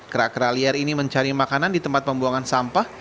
kera kera liar ini mencari makanan di tempat pembuangan sampah